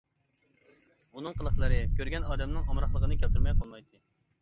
ئۇنىڭ قىلىقلىرى كۆرگەن ئادەمنىڭ ئامراقلىقىنى كەلتۈرمەي قالمايتتى.